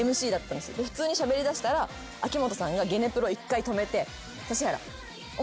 で普通にしゃべりだしたら秋元さんがゲネプロ１回止めて指原お前